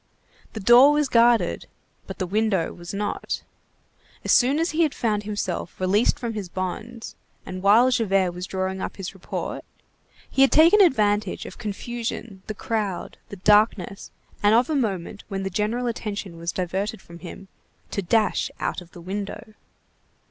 The door was guarded, but the window was not. As soon as he had found himself released from his bonds, and while Javert was drawing up his report, he had taken advantage of confusion, the crowd, the darkness, and of a moment when the general attention was diverted from him, to dash out of the window.